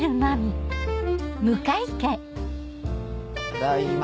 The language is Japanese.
ただいま。